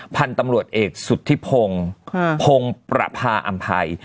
พันธุ์ตำรวจเอกสุธิพงศ์พงศ์ประพาอำภัย